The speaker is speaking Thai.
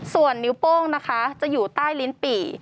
ส่วนนิ้วโป้งนะคะจะอยู่ใต้ลิ้นปี่